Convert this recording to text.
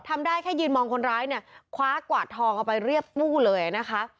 ทำได้แค่ยืนมองคนร้ายเนี่ยคว้ากวาดทองเอาไปเรียบตู้เลยนะคะ